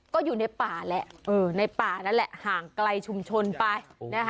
ก็อยู่ในป่าแหละห่างไกลชุมชนไป